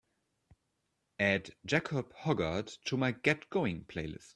add Jacob Hoggard to my get going playlist